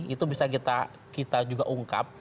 itu bisa kita juga ungkap